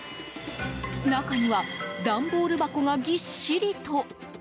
中には段ボール箱がぎっしりと。